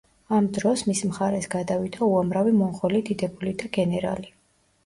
ამ დროს მის მხარეს გადავიდა უამრავი მონღოლი დიდებული და გენერალი.